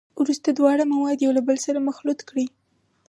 وروسته دواړه مواد یو له بل سره مخلوط کړئ.